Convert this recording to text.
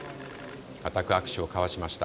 固く握手を交わしました。